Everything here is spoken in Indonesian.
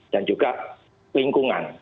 dan juga lingkungan